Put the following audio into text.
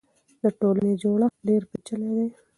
د ټولنې جوړښت ډېر پېچلی دی.